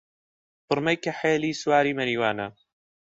پڕمەی کەحێلی سواری مەریوانە